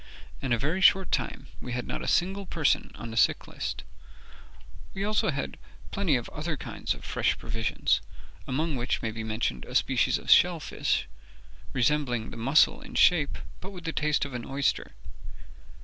In a very short time we had not a single person on the sick list. We had also plenty of other kinds of fresh provisions, among which may be mentioned a species of shellfish resembling the mussel in shape, but with the taste of an oyster.